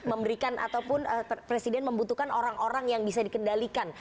presiden memberikan ataupun presiden membutuhkan orang orang yang bisa dia kendalikan